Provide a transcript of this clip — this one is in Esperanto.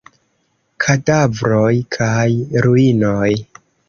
Kadavroj kaj ruinoj.